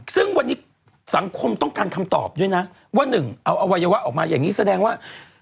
ซึ่งวันนี้สังคมต้องการคำตอบด้วยนะว่าหนึ่งเอาอวัยวะออกมาอย่างนี้แสดงว่า